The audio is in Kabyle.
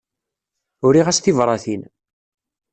Uriɣ-as tibratin.